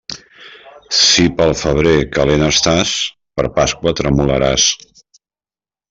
Si pel febrer calent estàs, per Pasqua tremolaràs.